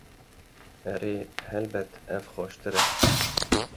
Erê, helbet ev xweştir e.